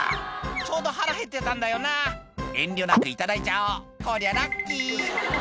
「ちょうど腹へってたんだよな遠慮なくいただいちゃおう」「こりゃラッキー」